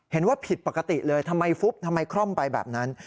เห็นว่าผิดปกติเลยทำไมฟุบทำไมคล่อมไปแบบนั้น